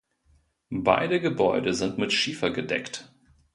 Beide Gebäude sind mit Schiefer gedeckt.